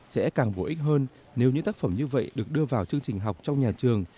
sẽ càng bổ ích hơn nếu những tác phẩm như vậy được đưa vào chương trình học trong nhà trường